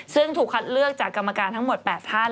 ซึ่งถูกคัดเลือกจากกรรมการทั้งหมด๘ท่าน